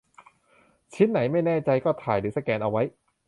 ชิ้นไหนไม่แน่ใจก็ถ่ายหรือสแกนเอาไว้